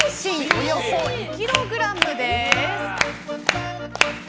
およそ２ｋｇです。